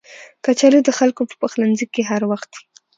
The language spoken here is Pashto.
کچالو د خلکو په پخلنځي کې هر وخت وي